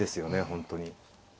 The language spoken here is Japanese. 本当に。